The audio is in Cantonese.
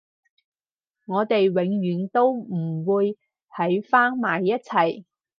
我哋永遠都唔會喺返埋一齊